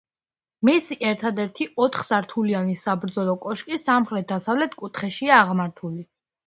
მისი ერთადერთი ოთხსართულიანი საბრძოლო კოშკი სამხრეთ-დასავლეთ კუთხეშია აღმართული.